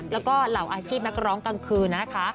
แล้วก็เหล่าอาชีพนักร้องกลางคืนนะคะ